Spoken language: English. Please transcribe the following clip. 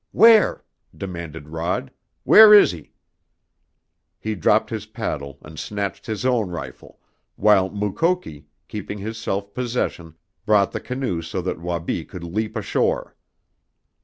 "Where?" demanded Rod. "Where is he?" He dropped his paddle and snatched his own rifle, while Mukoki, keeping his self possession, brought the canoe so that Wabi could leap ashore.